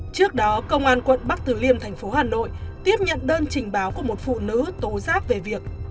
trước đó công an quận bắc tử liên thành phố hà nội tiếp nhận đơn trình báo của một phụ nữ tố giáp về việc